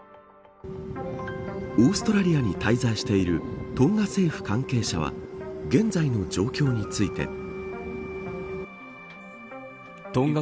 オーストラリアに滞在しているトンガ政府関係者は現在の状況について。